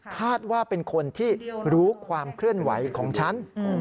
คาดว่าเป็นคนที่รู้ความเคลื่อนไหวของฉัน